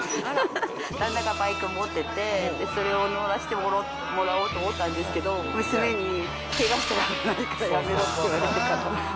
旦那がバイク持ってて、それを乗らせてもらおうと思ったんですけど、娘に、けがしたら危ないからやめろって言われて。